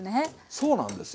そうなんですよ。